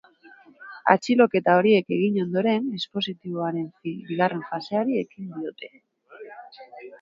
Atxiloketa horiek egin ondoren, dispositiboaren bigarren faseari ekin diote.